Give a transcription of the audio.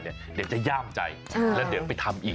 เดี๋ยวจะย่ามใจแล้วเดี๋ยวไปทำอีก